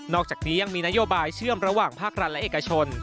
อกจากนี้ยังมีนโยบายเชื่อมระหว่างภาครัฐและเอกชน